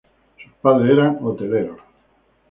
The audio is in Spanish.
Sus padres eran hoteleros.